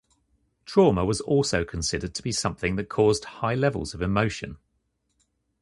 Trauma was also considered to be something that caused high levels of emotion.